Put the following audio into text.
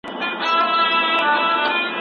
ګاونډیانو د خپل ګاونډي په بلنه کار پیل کړ.